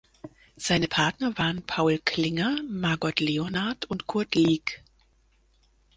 Seine Partner waren Paul Klinger, Margot Leonard und Kurt Lieck.